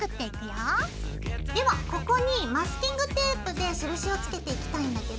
ではここにマスキングテープで印をつけていきたいんだけど。